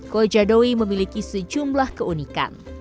kojadoi memiliki sejumlah keunikan